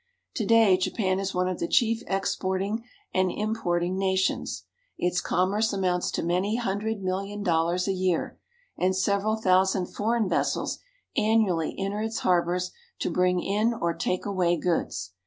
To day Japan is one of the chief exporting and importing nations. Its commerce amounts to many hundred miUion dollars a year, and several thousand foreign vessels ann; ially enter its harbors to bring in or take away' goods.